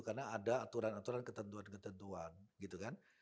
karena ada aturan aturan ketentuan ketentuan gitu kan